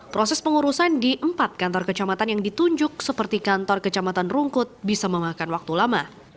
proses pengurusan di empat kantor kecamatan yang ditunjuk seperti kantor kecamatan rungkut bisa memakan waktu lama